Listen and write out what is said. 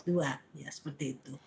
ya seperti itu